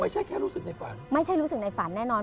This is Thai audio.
แค่รู้สึกในฝันไม่ใช่รู้สึกในฝันแน่นอน